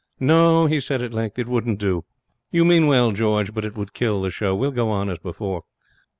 'No,' he said at length, 'it wouldn't do. You mean well, George, but it would kill the show. We'll go on as before.'